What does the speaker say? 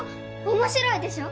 面白いでしょ？